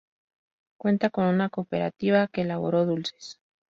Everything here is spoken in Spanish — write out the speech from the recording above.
Cuenta con una cooperativa que elabora dulces.